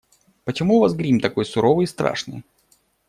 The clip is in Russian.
Почему у вас грим такой суровый и страшный?